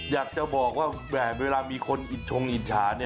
อยากจะบอกว่าแหมเวลามีคนอิดชงอิจฉา